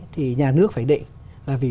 thì nhà nước phải định là vì